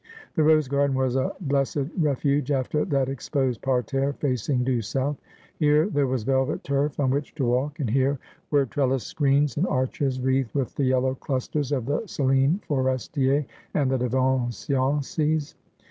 The rose garden was a blessed refuge after that exposed par terre facing due south. Here there was velvet turf on which to walk, and here were trellised screens and arches wreathed with the yellow clusters of the Celine Forestier, and the Devoniensis.